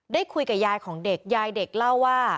ได้คุยกับยายของเด็กยายเด็กเล่าว่า